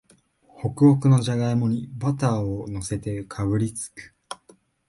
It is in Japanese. ホクホクのじゃがいもにバターをのせてかぶりつく